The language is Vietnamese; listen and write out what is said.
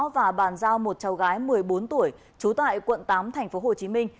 và bàn giao một cháu gái một mươi bốn tuổi trú tại quận tám tp hồ chí minh